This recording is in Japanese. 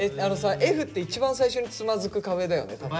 あのさＦって一番最初につまずく壁だよね。